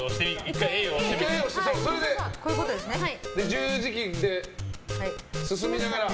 十字キーで進みながら。